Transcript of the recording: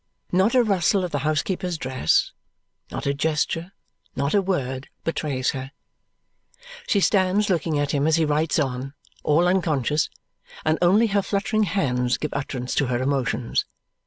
Not a rustle of the housekeeper's dress, not a gesture, not a word betrays her. She stands looking at him as he writes on, all unconscious, and only her fluttering hands give utterance to her emotions.